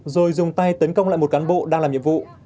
rồi dùng tay tấn công lại một cán bộ đang làm nhiệm vụ